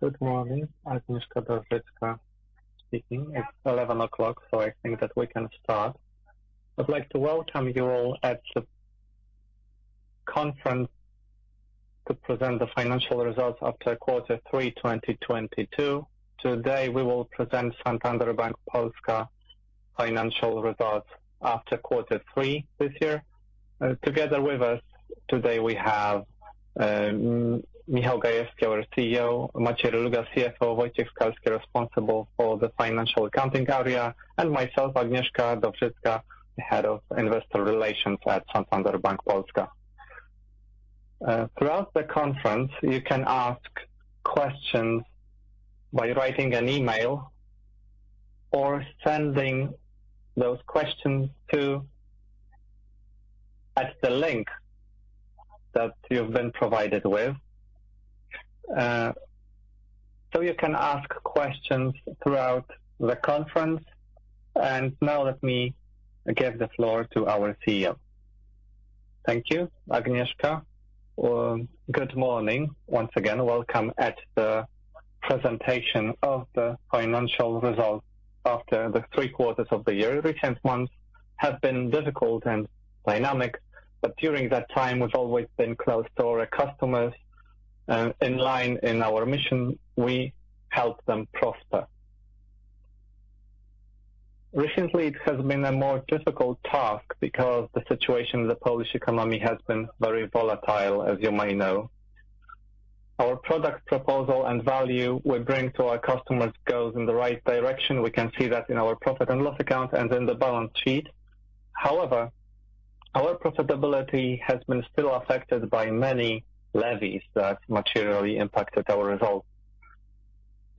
Good morning. Agnieszka Dowżycka speaking. It's 11:00 A.M., so I think that we can start. I'd like to welcome you all at the conference to present the financial results after quarter three, 2022. Today we will present Santander Bank Polska financial results after quarter three this year. Together with us today we have Michał Gajewski, our CEO, Maciej Reluga, CFO, Wojciech Skalski, responsible for the financial accounting area, and myself, Agnieszka Dowżycka, the Head of Investor Relations at Santander Bank Polska. Throughout the conference you can ask questions by writing an email or sending those questions at the link that you've been provided with. So you can ask questions throughout the conference. Now let me give the floor to our CEO. Thank you, Agnieszka. Good morning. Once again, welcome at the presentation of the financial results after the three quarters of the year. Recent months have been difficult and dynamic, but during that time we've always been close to our customers. In line with our mission, we help them prosper. Recently it has been a more difficult task because the situation in the Polish economy has been very volatile, as you may know. Our product proposal and value we bring to our customers goes in the right direction. We can see that in our profit and loss account and in the balance sheet. However, our profitability has been still affected by many levies that materially impacted our results.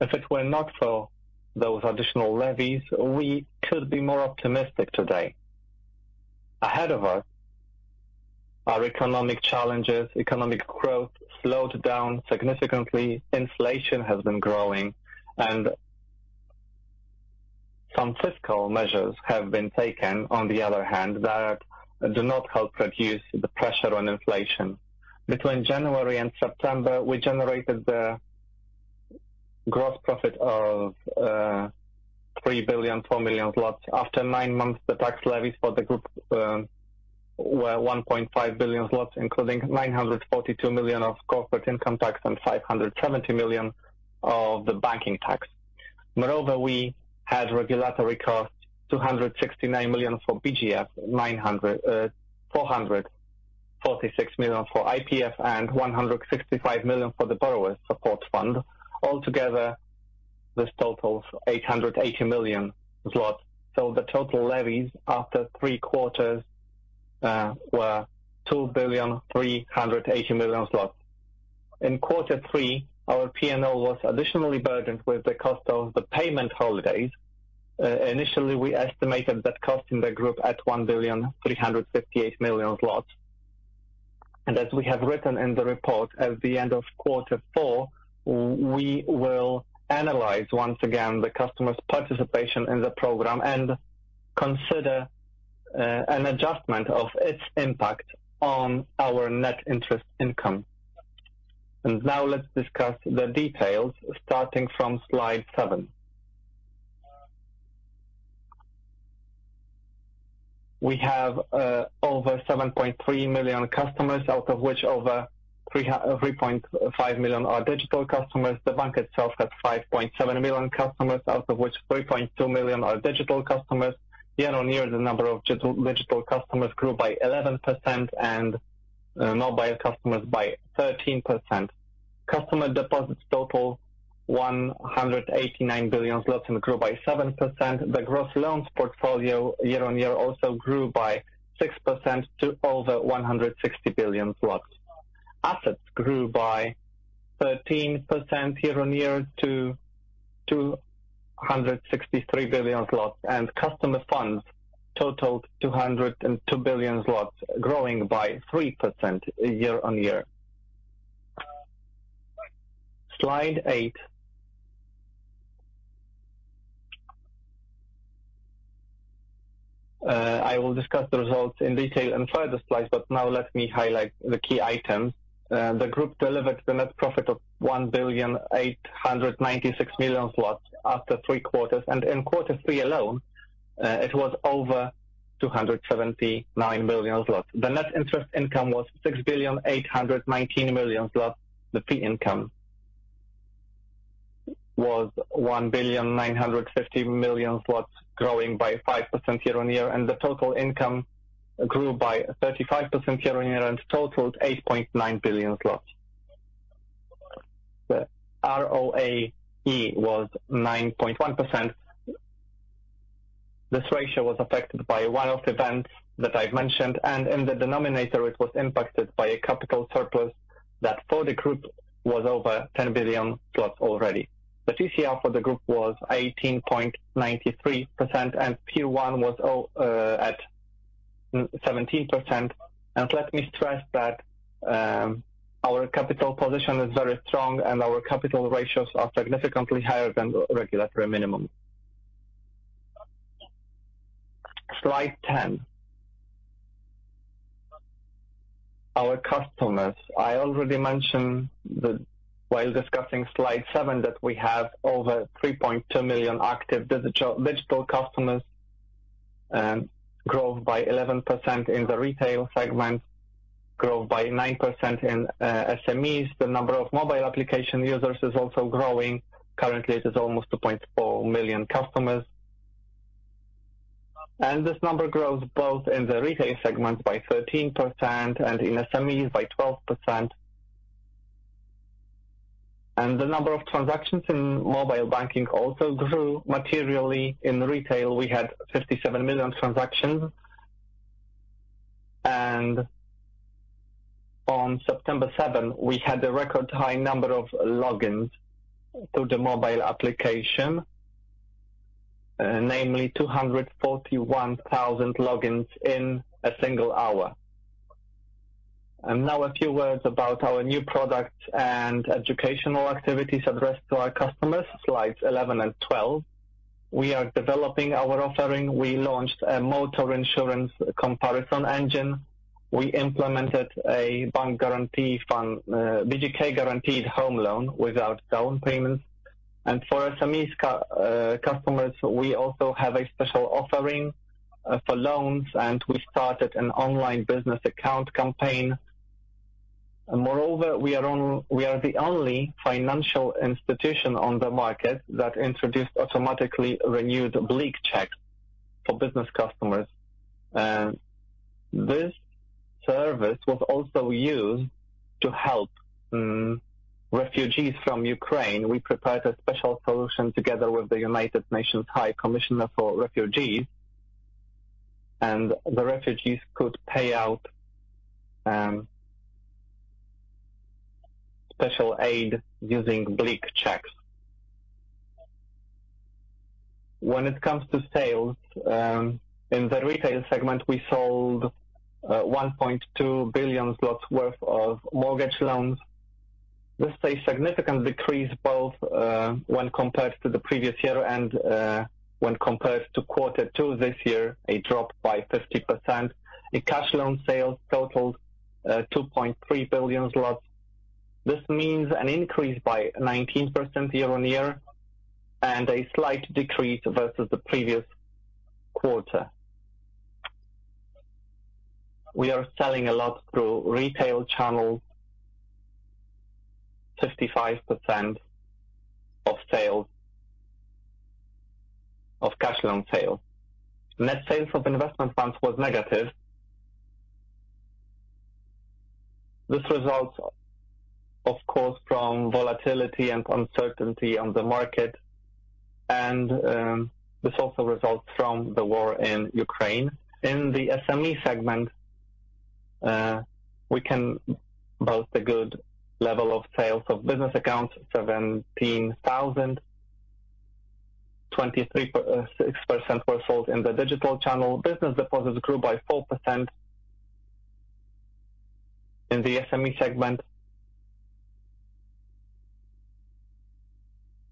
If it were not for those additional levies, we could be more optimistic today. Ahead of us are economic challenges. Economic growth slowed down significantly. Inflation has been growing, and some fiscal measures have been taken on the other hand, that do not help reduce the pressure on inflation. Between January and September, we generated the gross profit of 3.004 billion. After nine months, the tax levies for the group were 1.5 billion zlotys, including 942 million of corporate income tax and 570 million of the banking tax. Moreover, we had regulatory costs, 269 million for BGF, 446 million for IPS, and 165 million for the Borrowers' Support Fund. Altogether, this totals 880 million zlotys. The total levies after three quarters were 2.38 billion. In quarter three, our P&L was additionally burdened with the cost of the payment holidays. Initially, we estimated that costing the group at 1.358 billion. As we have written in the report, at the end of quarter four, we will analyze once again the customer's participation in the program and consider an adjustment of its impact on our net interest income. Now let's discuss the details starting from slide seven. We have over 7.3 million customers, out of which over 3.5 million are digital customers. The bank itself has 5.7 million customers, out of which 3.2 million are digital customers. Year-on-year, the number of digital customers grew by 11% and non-digital customers by 13%. Customer deposits total 189 billion zlotys and grew by 7%. The gross loans portfolio year-on-year also grew by 6% to over 160 billion zlotys. Assets grew by 13% year-on-year to 263 billion zlotys. Customer funds totaled 202 billion zlotys, growing by 3% year-on-year. Slide eight. I will discuss the results in detail in further slides, but now let me highlight the key items. The group delivered the net profit of 1,896 million zlotys after three quarters. In quarter three alone, it was over 279 million zlotys. The net interest income was 6.819 billion zlotys. The fee income was 1.95 billion zlotys, growing by 5% year-on-year. The total income grew by 35% year-on-year and totaled 8.9 billion zlotys. The ROAE was 9.1%. This ratio was affected by one-off events that I've mentioned, and in the denominator it was impacted by a capital surplus that for the group was over 10 billion zlotys plus already. The TCR for the group was 18.93% and Tier 1 was at 17%. Let me stress that our capital position is very strong and our capital ratios are significantly higher than the regulatory minimum. Slide 10. Our customers. I already mentioned that while discussing Slide seven, that we have over 3.2 million active digital customers, growth by 11% in the retail segment, growth by 9% in SMEs. The number of mobile application users is also growing. Currently it is almost 2.4 million customers. This number grows both in the retail segment by 13% and in SMEs by 12%. The number of transactions in mobile banking also grew materially. In retail, we had 57 million transactions. On September 7, we had a record high number of logins to the mobile application, namely 241,000 logins in a single hour. Now a few words about our new products and educational activities addressed to our customers. Slides 11 and 12. We are developing our offering. We launched a motor insurance comparison engine. We implemented a bank guarantee fund, BGK guaranteed home loan without down payments. For SMEs customers, we also have a special offering, for loans, and we started an online business account campaign. Moreover, we are the only financial institution on the market that introduced automatically renewed BLIK checks for business customers. This service was also used to help refugees from Ukraine. We prepared a special solution together with the United Nations High Commissioner for Refugees, and the refugees could pay out special aid using BLIK checks. When it comes to sales in the retail segment, we sold 1.2 billion zlotys worth of mortgage loans. This is a significant decrease both when compared to the previous year and when compared to quarter two this year, a drop by 50%. The cash loan sales totaled 2.3 billion zlotys. This means an increase by 19% year-on-year, and a slight decrease versus the previous quarter. We are selling a lot through retail channels. 55% of sales of cash loan sales. Net sales of investment funds was negative. This results of course from volatility and uncertainty on the market and this also results from the war in Ukraine. In the SME segment, we can boast a good level of sales of business accounts, 17,000. 23.6% were sold in the digital channel. Business deposits grew by 4% in the SME segment.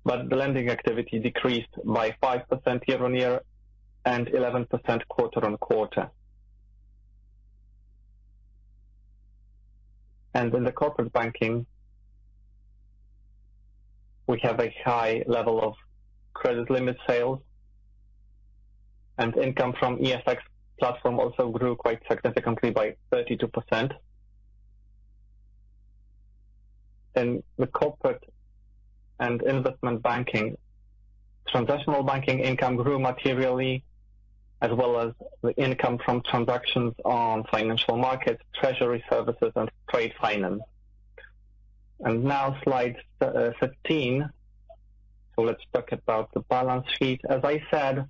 The lending activity decreased by 5% year-on-year and 11% quarter-on-quarter. In the corporate banking, we have a high level of credit limit sales. Income from eFX platform also grew quite significantly by 32%. In the corporate and investment banking, transactional banking income grew materially, as well as the income from transactions on financial markets, treasury services and trade finance. Now slide 15. Let's talk about the balance sheet. As I said,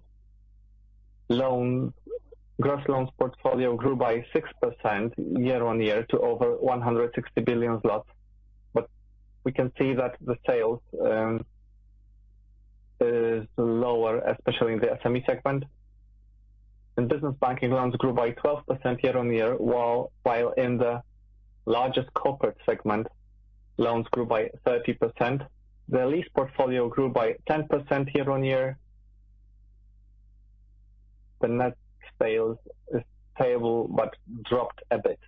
gross loans portfolio grew by 6% year-on-year to over 160 billion zlotys. We can see that the sales is lower, especially in the SME segment. In business banking, loans grew by 12% year-on-year, while in the largest corporate segment, loans grew by 30%. The lease portfolio grew by 10% year-on-year. The net sales is stable but dropped a bit.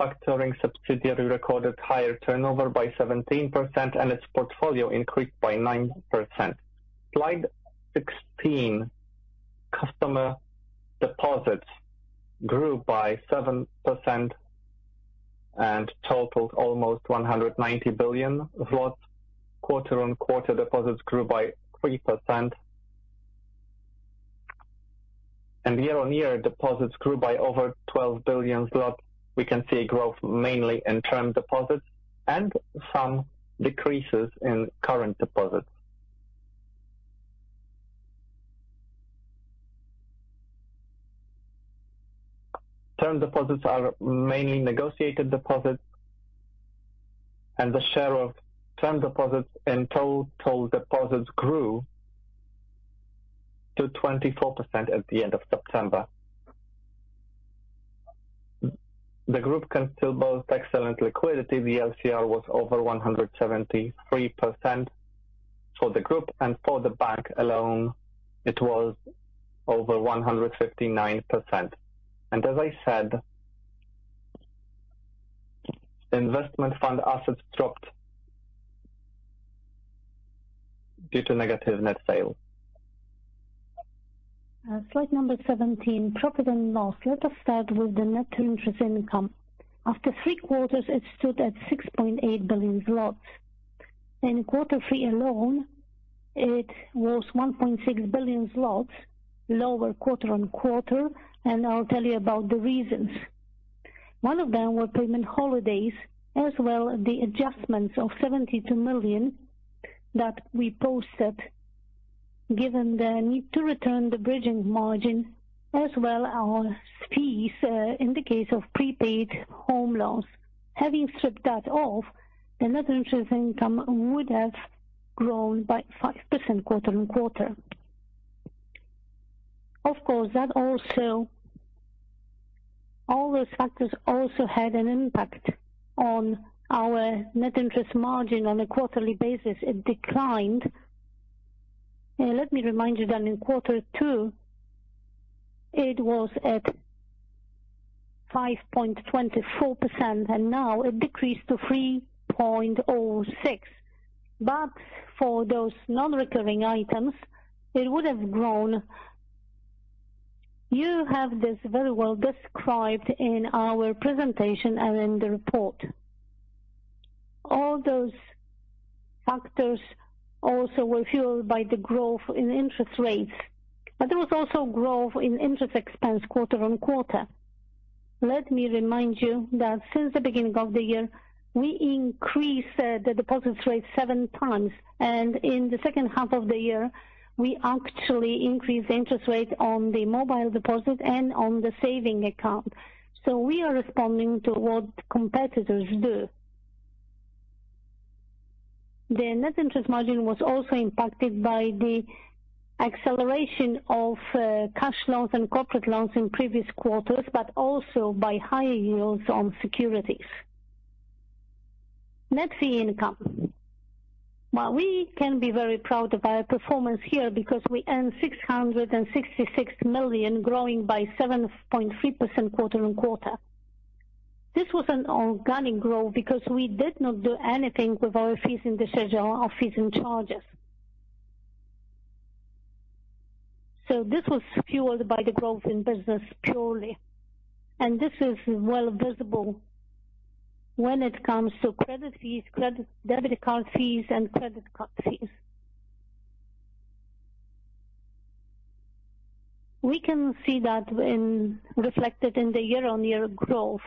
Factoring subsidiary recorded higher turnover by 17% and its portfolio increased by 9%. Slide 16, customer deposits grew by 7% and totaled almost 190 billion. Quarter-on-quarter deposits grew by 3%. Year-on-year deposits grew by over 12 billion zlotys. We can see growth mainly in term deposits and some decreases in current deposits. Term deposits are mainly negotiated deposits, and the share of term deposits and total deposits grew to 24% at the end of September. The group can still boast excellent liquidity. The LCR was over 173% for the group, and for the bank alone, it was over 159%. As I said, investment fund assets dropped due to negative net sale. Slide number 17, profit and loss. Let us start with the net interest income. After three quarters, it stood at 6.8 billion zlotys. In quarter three alone, it was 1.6 billion zlotys lower quarter-on-quarter, and I'll tell you about the reasons. One of them were payment holidays, as well as the adjustments of 72 million that we posted, given the need to return the bridging margin, as well as our fees, in the case of prepaid home loans. Having stripped that off, the net interest income would have grown by 5% quarter-on-quarter. Of course, that also, all those factors also had an impact on our net interest margin on a quarterly basis. It declined. Let me remind you that in quarter two it was at 5.24%, and now it decreased to 3.06%. For those non-recurring items, it would have grown. You have this very well described in our presentation and in the report. All those factors also were fueled by the growth in interest rates, but there was also growth in interest expense quarter-over-quarter. Let me remind you that since the beginning of the year, we increased the deposits rate seven times, and in the second half of the year, we actually increased the interest rate on the mobile deposit and on the savings account. So we are responding to what competitors do. The net interest margin was also impacted by the acceleration of cash loans and corporate loans in previous quarters, but also by higher yields on securities. Net fee income. Well, we can be very proud of our performance here because we earned 666 million, growing by 7.3% quarter-on-quarter. This was an organic growth because we did not do anything with our fees in the schedule of fees and charges. This was fueled by the growth in business purely. This is well visible when it comes to credit fees, credit, debit card fees, and credit card fees. We can see that it's reflected in the year-on-year growth.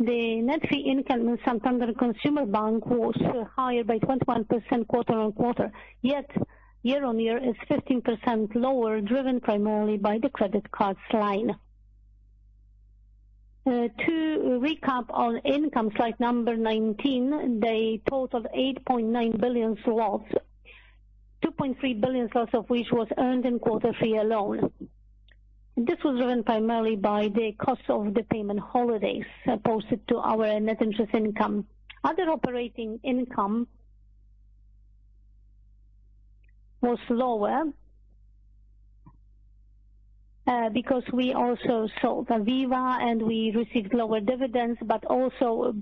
The net fee income in Santander Consumer Bank was higher by 21% quarter-on-quarter. Yet year-on-year is 15% lower, driven primarily by the credit cards line. To recap on income, slide number 19, the total 8.9 billion zlotys. 2.3 billion zlotys of which was earned in quarter three alone. This was driven primarily by the cost of the payment holidays posted to our net interest income. Other operating income was lower, because we also sold Aviva and we received lower dividends, but also,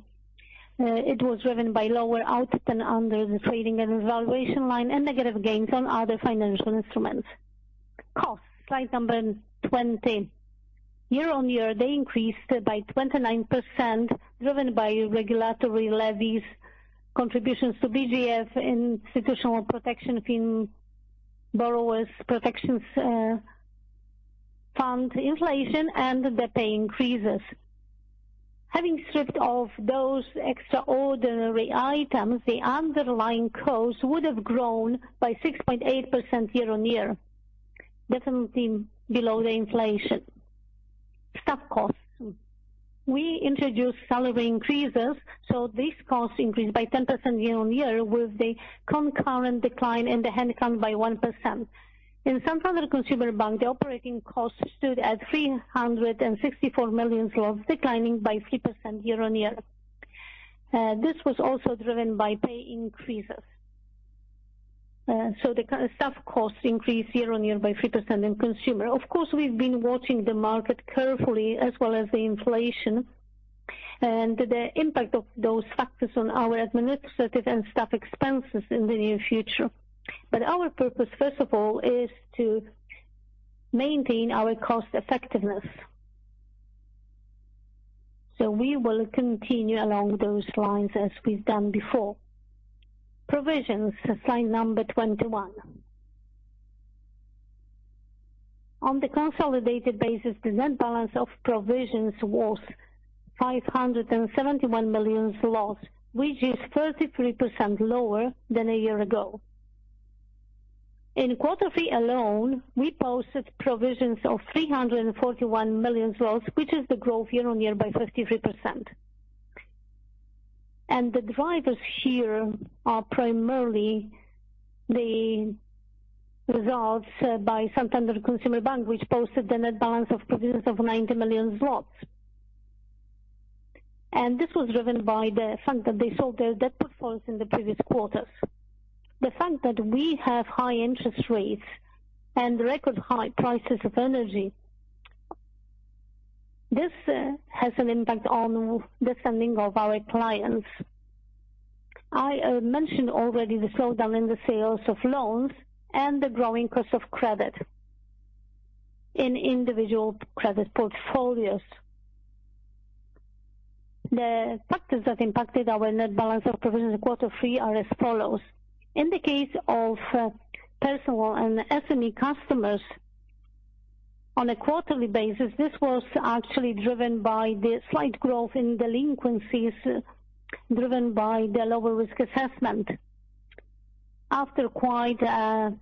it was driven by lower output under the trading and valuation line and negative gains on other financial instruments. Costs. Slide number 20. Year-on-year, they increased by 29%, driven by regulatory levies, contributions to BGF, Institutional Protection Scheme, Borrowers' Support Fund, inflation and the pay increases. Having stripped off those extraordinary items, the underlying costs would have grown by 6.8% year-on-year, definitely below the inflation. Staff costs. We introduced salary increases, so these costs increased by 10% year-on-year with the concurrent decline in the headcount by 1%. In Santander Consumer Bank, the operating costs stood at 364 million zlotys, declining by 3% year-on-year. This was also driven by pay increases. Staff costs increased year-on-year by 3% in consumer. Of course, we've been watching the market carefully as well as the inflation and the impact of those factors on our administrative and staff expenses in the near future. Our purpose, first of all, is to maintain our cost effectiveness. We will continue along those lines as we've done before. Provisions, slide number 21. On the consolidated basis, the net balance of provisions was 571 million, which is 33% lower than a year ago. In quarter three alone, we posted provisions of 341 million, which is the growth year-on-year by 53%. The drivers here are primarily the results by Santander Consumer Bank, which posted the net balance of provisions of 90 million zlotys. This was driven by the fact that they sold their debt portfolio in the previous quarters. The fact that we have high interest rates and record high prices of energy, this has an impact on the spending of our clients. I mentioned already the slowdown in the sales of loans and the growing cost of credit in individual credit portfolios. The factors that impacted our net balance of provisions in quarter three are as follows. In the case of personal and SME customers on a quarterly basis, this was actually driven by the slight growth in delinquencies driven by the lower risk assessment. After quite a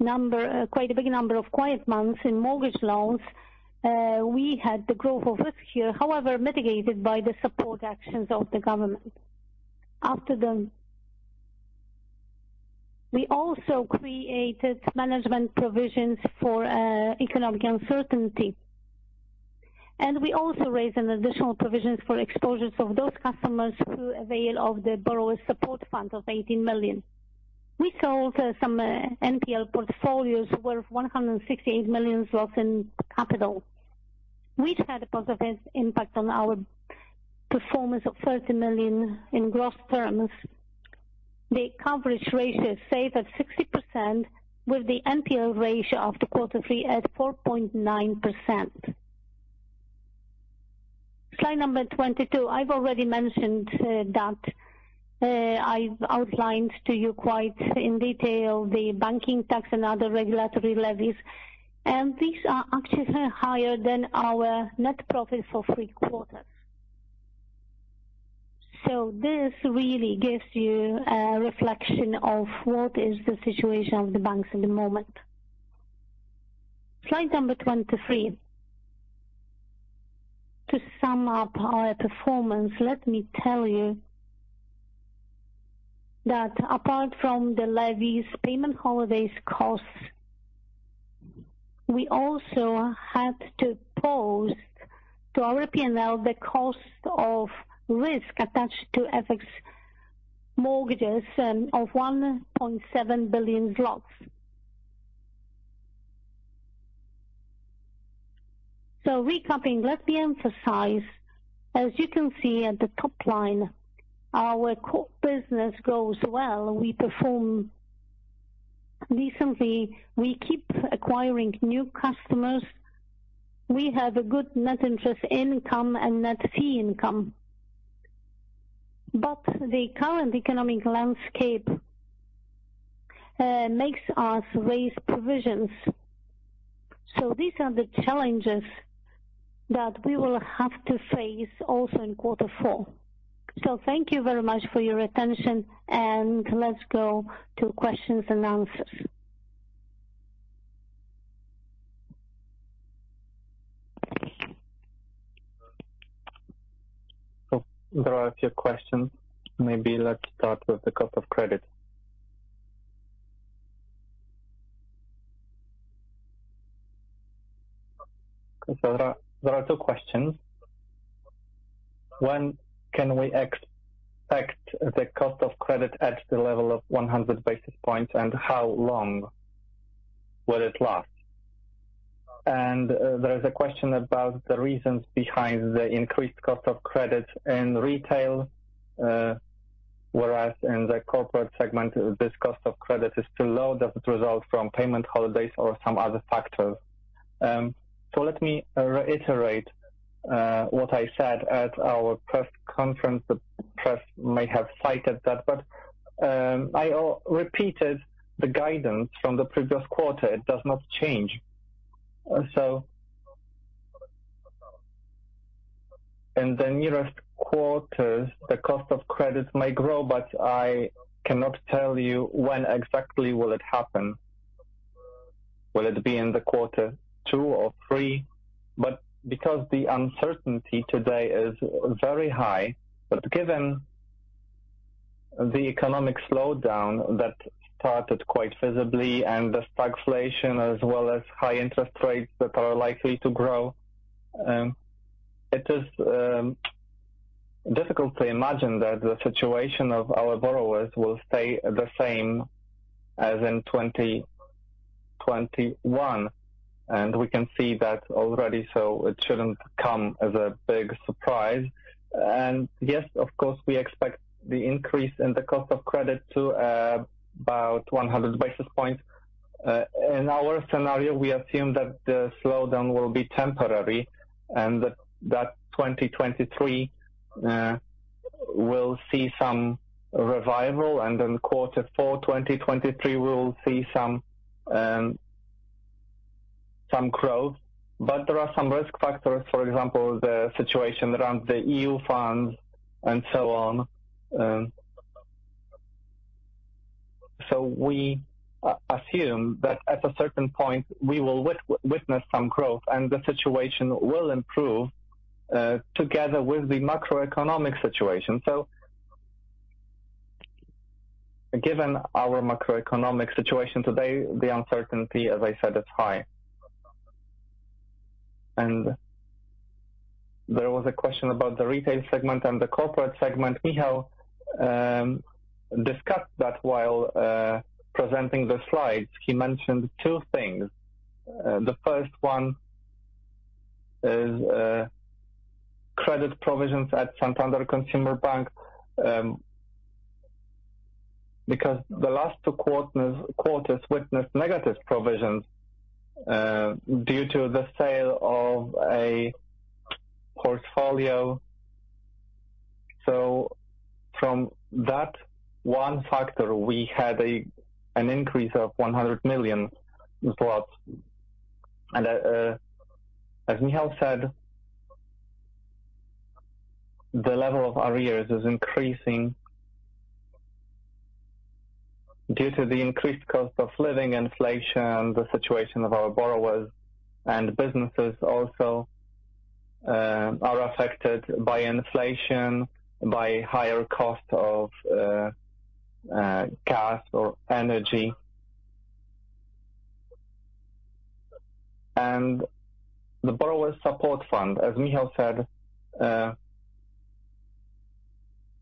big number of quiet months in mortgage loans, we had the growth of risk here, however mitigated by the support actions of the government. We also created management provisions for economic uncertainty, and we also raised an additional provisions for exposures of those customers who avail of the Borrowers' Support Fund of 18 million. We sold some NPL portfolios worth 168 million in capital, which had a positive impact on our performance of 30 million in gross terms. The coverage ratio stayed at 60% with the NPL ratio after quarter three at 4.9%. Slide number 22. I've already mentioned that, I outlined to you quite in detail the banking tax and other regulatory levies. These are actually higher than our net profit for three quarters. This really gives you a reflection of what is the situation of the banks at the moment. Slide number 23. To sum up our performance, let me tell you that apart from the levies, payment holidays costs, we also had to post to our P&L the cost of risk attached to FX mortgages, of 1.7 billion zlotys. Recapping, let me emphasize, as you can see at the top line, our core business goes well. We perform decently. We keep acquiring new customers. We have a good net interest income and net fee income. The current economic landscape makes us raise provisions. These are the challenges that we will have to face also in quarter four. Thank you very much for your attention, and let's go to questions and answers. There are a few questions. Maybe let's start with the cost of credit. There are two questions. When can we expect the cost of credit at the level of 100 basis points, and how long will it last? There is a question about the reasons behind the increased cost of credit in retail, whereas in the corporate segment, this cost of credit is too low. Does it result from payment holidays or some other factors? Let me reiterate what I said at our press conference. The press may have cited that, but I repeated the guidance from the previous quarter. It does not change. In the nearest quarters, the cost of credits may grow, but I cannot tell you when exactly will it happen. Will it be in quarter two or three? Because the uncertainty today is very high. Given the economic slowdown that started quite visibly and the stagflation as well as high interest rates that are likely to grow, it is difficult to imagine that the situation of our borrowers will stay the same as in 2021. We can see that already, so it shouldn't come as a big surprise. Yes, of course, we expect the increase in the cost of credit to about 100 basis points. In our scenario, we assume that the slowdown will be temporary and that 2023 will see some revival. Then quarter four, 2023, we'll see some growth. There are some risk factors. For example, the situation around the EU funds and so on. We assume that at a certain point we will witness some growth and the situation will improve, together with the macroeconomic situation. Given our macroeconomic situation today, the uncertainty, as I said, is high. There was a question about the retail segment and the corporate segment. Michał discussed that while presenting the slides. He mentioned two things. The first one is credit provisions at Santander Consumer Bank. Because the last two quarters witnessed negative provisions due to the sale of a portfolio. From that one factor, we had an increase of 100 million zlotys. As Michał said, the level of arrears is increasing due to the increased cost of living inflation. The situation of our borrowers and businesses also are affected by inflation, by higher cost of gas or energy. The Borrowers' Support Fund, as Michał said, there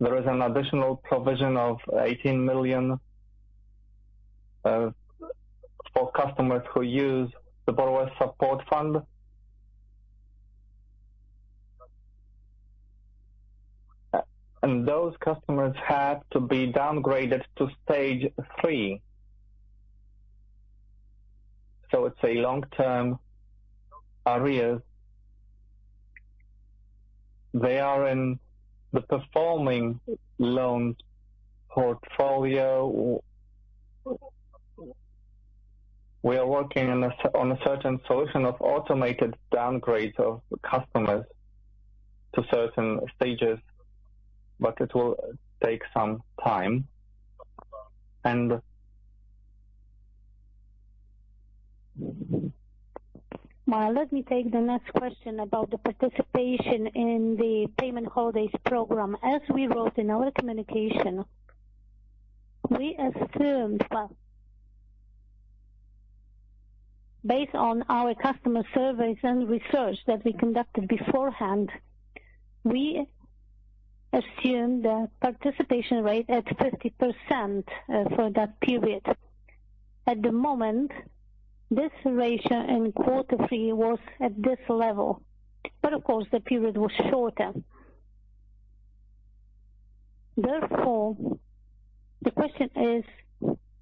is an additional provision of 18 million for customers who use the Borrowers' Support Fund. Those customers had to be downgraded to Stage 3. It's a long-term arrears. They are in the performing loan portfolio. We are working on a certain solution of automated downgrade of customers to certain stages, but it will take some time. Well, let me take the next question about the participation in the payment holidays program. As we wrote in our communication, we assumed that. Based on our customer surveys and research that we conducted beforehand, we assumed the participation rate at 50% for that period. At the moment, this ratio in quarter three was at this level, but of course the period was shorter. Therefore, the question is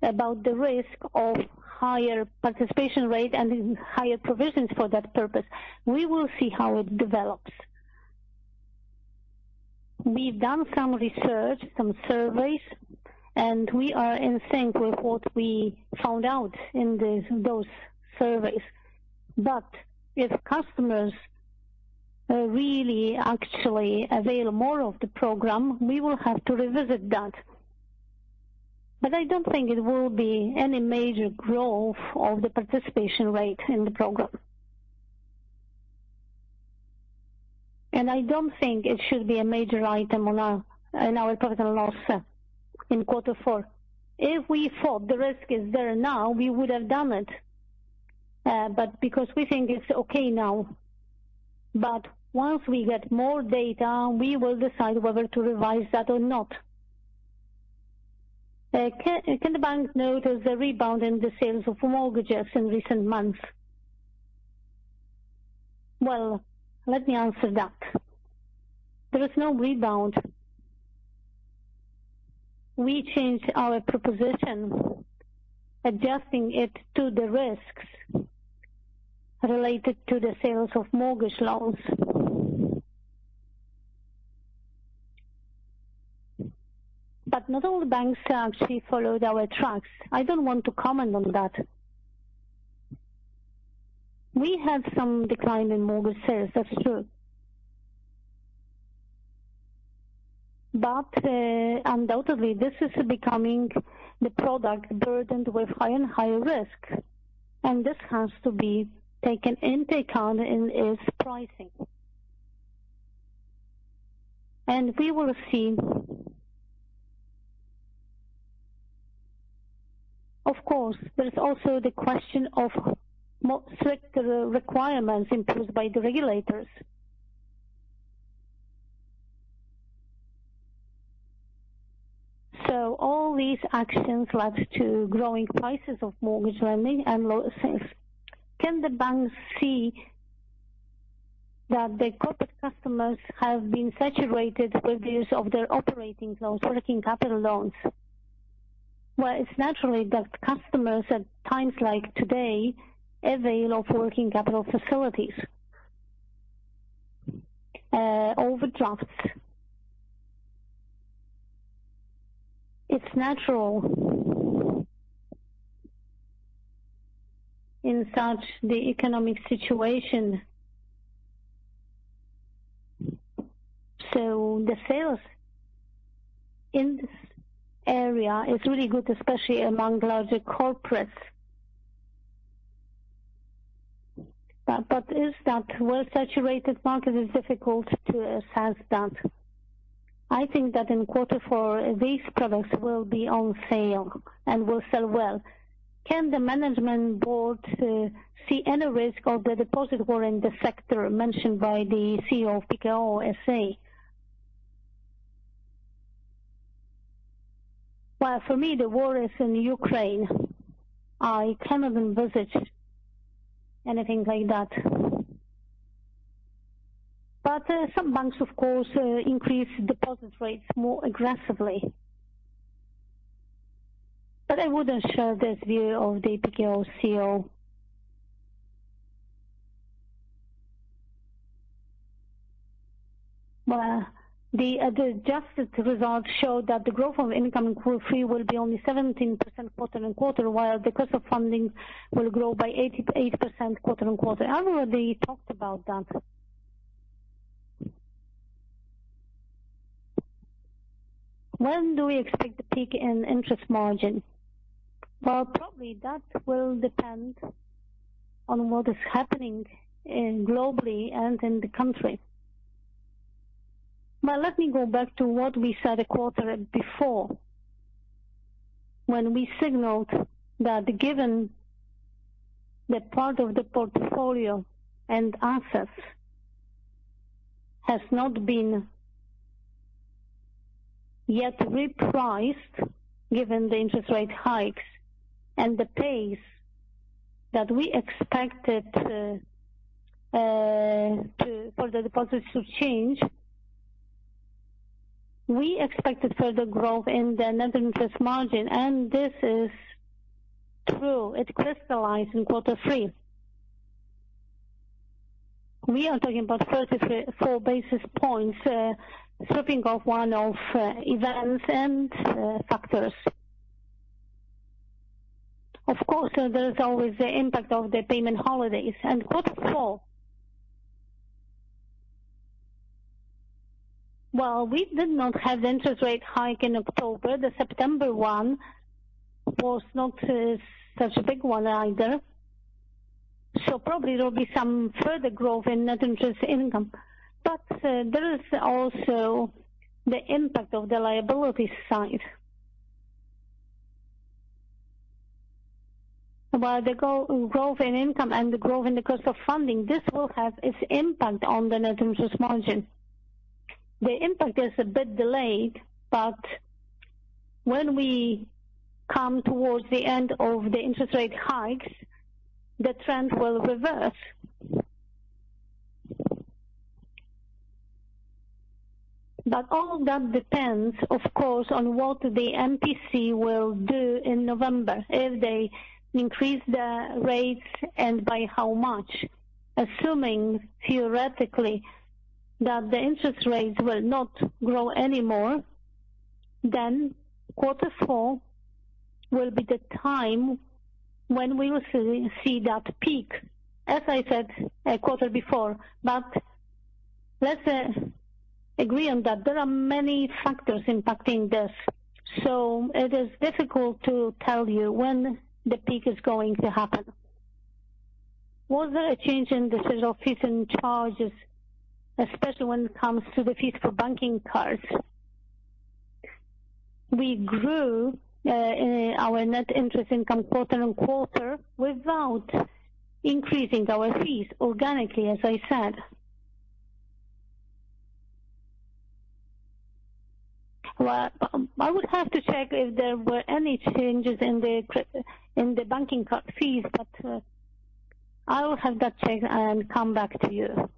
about the risk of higher participation rate and higher provisions for that purpose. We will see how it develops. We've done some research, some surveys, and we are in sync with what we found out in these, those surveys. But if customers really actually avail more of the program, we will have to revisit that. But I don't think it will be any major growth of the participation rate in the program. I don't think it should be a major item on our, in our profit and loss in quarter four. If we thought the risk is there now, we would have done it. Because we think it's okay now. Once we get more data, we will decide whether to revise that or not. Can the bank note a rebound in the sales of mortgages in recent months? Well, let me answer that. There is no rebound. We changed our proposition, adjusting it to the risks related to the sales of mortgage loans. Not all banks actually followed our tracks. I don't want to comment on that. We have some decline in mortgage sales. That's true. Undoubtedly, this is becoming the product burdened with higher and higher risk, and this has to be taken into account in its pricing. We will see. Of course, there is also the question of stricter requirements imposed by the regulators. All these actions led to growing prices of mortgage lending and loan sales. Can the bank see that the corporate customers have been saturated with the use of their operating loans, working capital loans? Well, it's natural that customers at times like today avail of working capital facilities. Overdrafts. It's natural in such an economic situation. So the sales in this area is really good, especially among larger corporates. But whether that well-saturated market is difficult to assess. I think that in quarter four these products will be on sale and will sell well. Can the management board see any risk of the deposit war in the sector mentioned by the CEO of PKO SA? Well, for me, the war is in Ukraine. I cannot envisage anything like that. Some banks of course increase deposit rates more aggressively. I wouldn't share this view of the PKO CEO. Well, the adjusted results show that the growth of income in Q3 will be only 17% quarter-on-quarter, while the cost of funding will grow by 88% quarter-on-quarter. I've already talked about that. When do we expect the peak in interest margin? Well, probably that will depend on what is happening globally and in the country. Let me go back to what we said a quarter before when we signaled that given the part of the portfolio and assets has not been yet repriced, given the interest rate hikes and the pace that we expected, for the deposits to change. We expected further growth in the net interest margin, and this is true. It crystallized in quarter three. We are talking about 34 basis points, stripping of one of, events and, factors. Of course, there's always the impact of the payment holidays. Quarter four. Well, we did not have the interest rate hike in October. The September one was not such a big one either. Probably there will be some further growth in net interest income. There is also the impact of the liability side. While the growth in income and the growth in the cost of funding, this will have its impact on the net interest margin. The impact is a bit delayed, but when we come towards the end of the interest rate hikes, the trend will reverse. All that depends, of course, on what the MPC will do in November. If they increase the rates and by how much. Assuming theoretically that the interest rates will not grow anymore, then quarter four will be the time when we will see that peak, as I said, a quarter before. Let's agree on that there are many factors impacting this. It is difficult to tell you when the peak is going to happen. Was there a change in the sort of fees and charges, especially when it comes to the fees for banking cards? We grew our net interest income quarter-over-quarter without increasing our fees organically, as I said. I would have to check if there were any changes in the banking card fees, but I will have that checked and come back to you.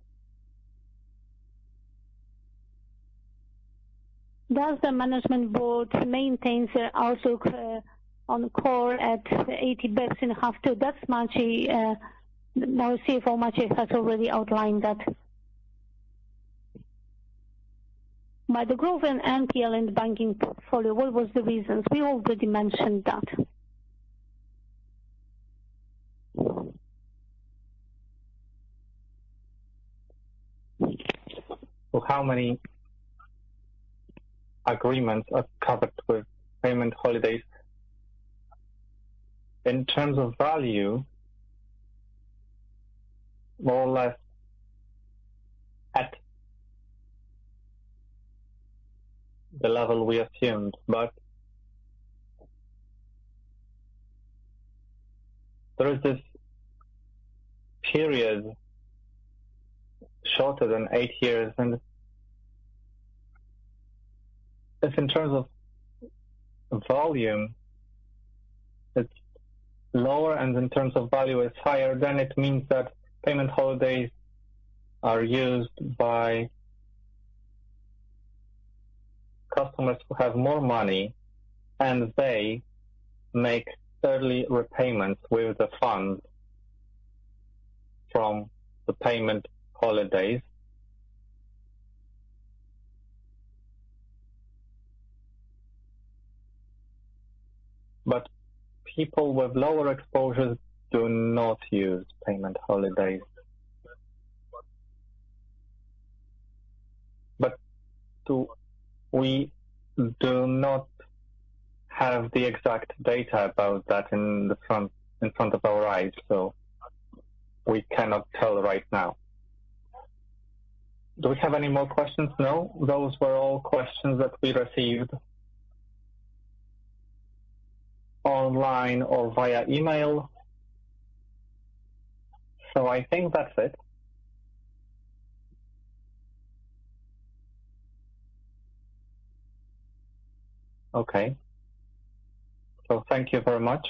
Does the management board maintain their outlook on core at 80 basis points in H2? Our CFO, Maciej, has already outlined that. Why the growth in NPL in the banking portfolio, what was the reasons? We already mentioned that. How many agreements are covered with payment holidays? In terms of value, more or less at the level we assumed. There is this period shorter than eight years. If in terms of volume it's lower and in terms of value it's higher, then it means that payment holidays are used by customers who have more money and they make early repayments with the funds from the payment holidays. People with lower exposures do not use payment holidays. We do not have the exact data about that in the front, in front of our eyes, so we cannot tell right now. Do we have any more questions? No. Those were all questions that we received online or via email. I think that's it. Okay. Thank you very much.